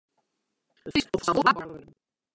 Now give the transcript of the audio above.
It Frysk moat fansels wol waarboarge wurde.